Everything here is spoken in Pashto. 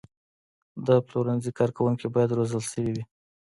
د پلورنځي کارکوونکي باید روزل شوي وي.